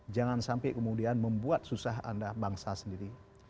jangan sampai kemudian membuat susah anda bangsa sendiri